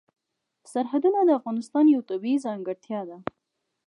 سرحدونه د افغانستان یوه طبیعي ځانګړتیا ده.